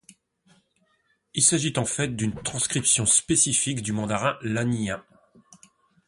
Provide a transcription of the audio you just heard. Il s'agit en fait d'une transcription spécifique du mandarin lanyin.